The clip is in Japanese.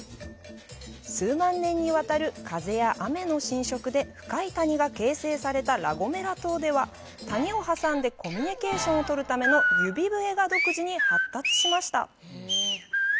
数万年にわたる風や雨の浸食で深い谷が形成されたラ・ゴメラ島では、谷を挟んでコミュニケーションを取るための指笛が独自に発達しました。